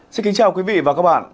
xin kính chào quý vị và các bạn